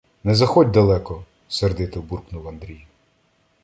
— Не заходь далеко! — сердито буркнув Андрій.